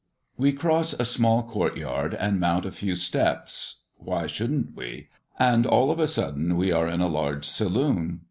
We cross a small court yard, and mount a few steps (why should'nt we?) and, all of a sudden, we are in a large saloon.